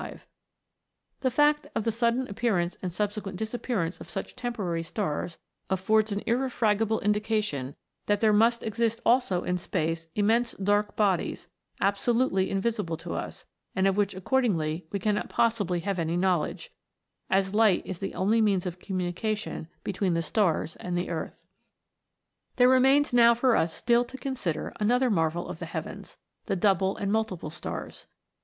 The fact of the sudden appearance and subsequent disappearance of such temporary stars affords an irrefragable indication that there must exist also in space immense dark bodies, absolutely invisible to us, and of which accordingly we cannot possibly have any knowledge, as light is the only means of communication between the stars and the earth. There remains now for us still to consider another A FLIGHT THROUGH SPACE. 195 marvel of the heavens the double and multiple stars.